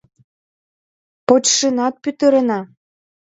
— Почшынак пӱтырена!